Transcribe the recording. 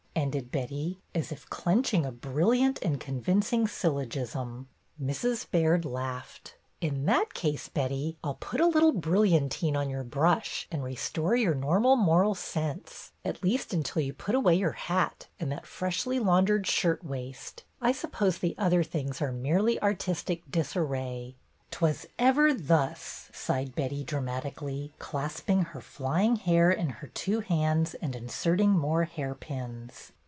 ended Betty, as if clenching a brilliant and convin cing syllogism. Mrs. Baird laughed. "In that case, Betty, I 'll put a little brillian tine on your brush and restore your normal moral sense, at least until you put away your hat and that freshly laundered shirt waist. I suppose the other things are merely artistic disarray." "'T was ever thus !" sighed Betty, dramatic ally, clasping her flying hair in her two hands and inserting more hairpins.